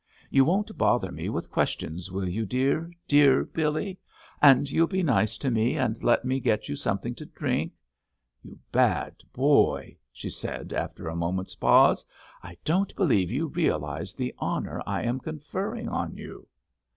You won't bother me with questions, will you dear, dear Billy? And you'll be nice to me and let me get you something to drink. You bad boy," she said, after a moment's pause, "I don't believe you realise the honour I am conferring on you!"